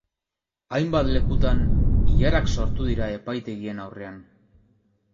Hainbat lekutan, ilarak sortu dira epaitegien aurrean.